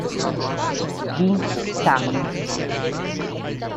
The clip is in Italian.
Binh Tan